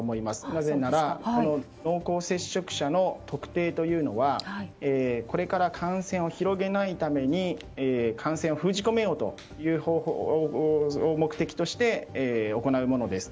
なぜなら濃厚接触者の特定というのはこれから感染を広げないために感染を封じ込めようという方法を目的として行うものです。